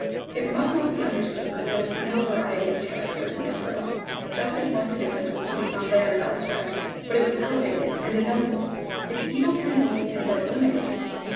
It must not be understood that there was no variety of character in Mizora. Just as marked a difference was to be found there as elsewhere; but it was elevated and ennobled. Its evil tendencies had been eliminated.